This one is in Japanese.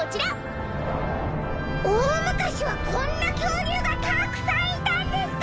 おおむかしはこんなきょうりゅうがたくさんいたんですか！